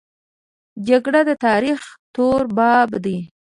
جګړه د تاریخ تور باب دی